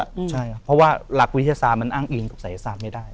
ใช่ครับเพราะว่าหลักวิทยาศาสตร์มันอ้างอิงกับศัยศาสตร์ไม่ได้